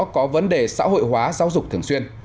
có vấn đề xã hội hóa giáo dục thường xuyên